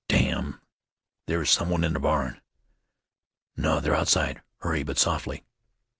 "Damn! There is some one in the barn." "No; they're outside. Hurry, but softly."